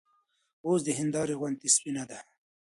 اوس د هېندارې غوندې سپينه ده